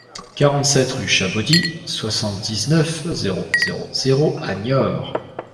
quarante-sept rue Chabaudy, soixante-dix-neuf, zéro zéro zéro à Niort